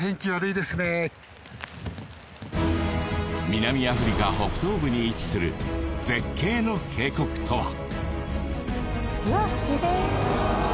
南アフリカ北東部に位置する絶景の渓谷とは？